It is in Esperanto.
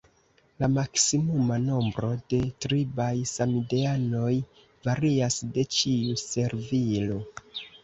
La maksimuma nombro de tribaj samideanoj varias de ĉiu servilo.